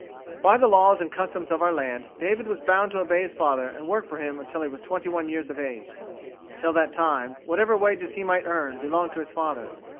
By the laws and customs of our land, David was bound to obey his father and work for him until he was twenty one years of age. Until that time, whatever wages he might earn belonged to his father.